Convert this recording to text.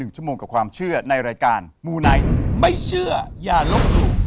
ชั่วโมงกับความเชื่อในรายการมูไนท์ไม่เชื่ออย่าลบหลู่